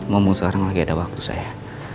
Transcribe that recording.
ngomong sekarang lagi ada waktu saya